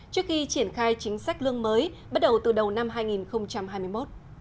trước khi triển khai chính sách lương mới bắt đầu từ đầu năm hai nghìn hai mươi một